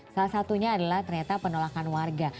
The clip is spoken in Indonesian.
salah satunya adalah ternyata penolakan warga